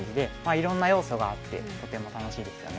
いろんな要素があってとても楽しいですよね。